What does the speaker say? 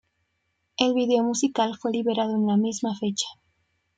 El vídeo musical fue liberado en la misma fecha.